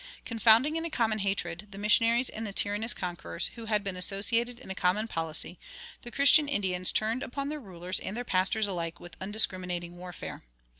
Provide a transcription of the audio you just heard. Confounding in a common hatred the missionaries and the tyrannous conquerors, who had been associated in a common policy, the Christian Indians turned upon their rulers and their pastors alike with undiscriminating warfare.